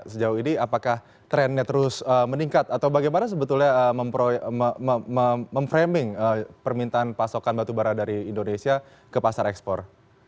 sejauh ini apakah trennya terus meningkat atau bagaimana sebetulnya memframing permintaan pasokan batubara dari indonesia ke pasar ekspor